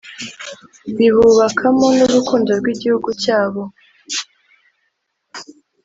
bibubakamo n’urukundo rw’igihugu cyabo